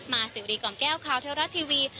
สิวรีกล่อมแก้วข่าวเทวรัฐทีวี